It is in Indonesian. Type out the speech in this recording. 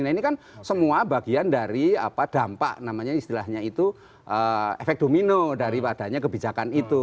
nah ini kan semua bagian dari dampak namanya istilahnya itu efek domino daripadanya kebijakan itu